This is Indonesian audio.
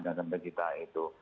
jangan sampai kita itu